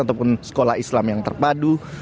ataupun sekolah islam yang terpadu